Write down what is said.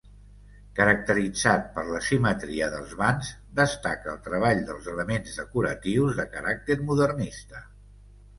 Caracteritzat per la simetria dels vans, destaca el treball dels elements decoratius de caràcter modernista.